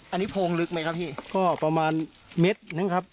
อันนี้โพงลึกไหมครับพี่ก็ประมาณเม็ดนึงครับ